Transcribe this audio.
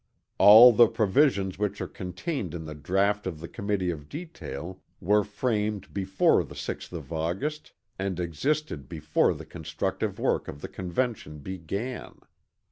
All the provisions which are contained in the draught of the Committee of Detail were framed before the 6th of August and existed before the constructive work of the Convention began.